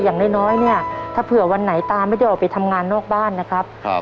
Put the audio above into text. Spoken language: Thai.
อย่างน้อยเนี่ยถ้าเผื่อวันไหนตาไม่ได้ออกไปทำงานนอกบ้านนะครับ